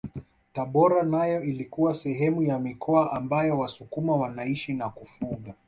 Tabora nayo ilikuwa sehemu ya mikoa ambayo wasukuma wanaishi na kufuga